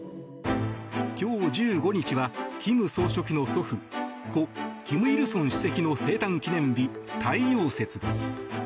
今日１５日は金総書記の祖父故・金日成主席の生誕記念日太陽節です。